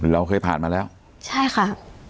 เราเคยผ่านมาแล้วใช่ค่ะ